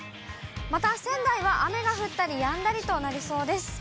また、仙台は雨が降ったりやんだりとなりそうです。